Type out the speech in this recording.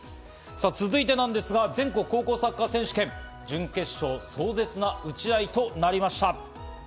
続いてなんですが、全国高校サッカー選手権準決勝、壮絶な打ち合いとなりました。